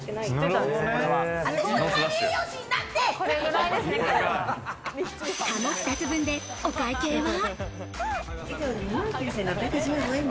かご２つ分でお会計は。